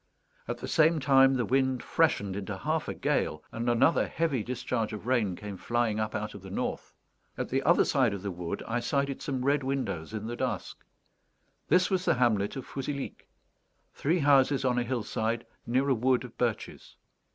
At the same time, the wind freshened into half a gale, and another heavy discharge of rain came flying up out of the north. At the other side of the wood I sighted some red windows in the dusk. This was the hamlet of Fouzilhic; three houses on a hillside, near a wood of birches.